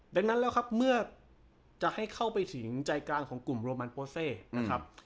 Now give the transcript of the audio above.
ดังนั้นแล้วครับเมื่อจะให้เข้าไปถึงใจกลางของกลุ่มโรมันโปเซนะครับ